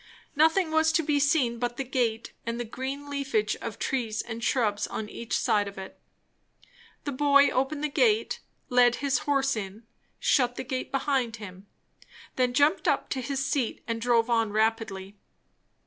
Nothing was to be seen but the gate and the green leafage of trees and shrubs on each side of it. The boy opened the gate, led his horse in, shut the gate behind him, then jumped up to his seat and drove on rapidly.